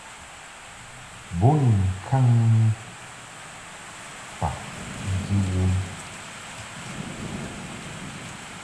Bo ni ŋkaŋki faʼ nji wom.